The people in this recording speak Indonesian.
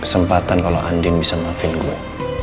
kesempatan kalau andin bisa maafin gue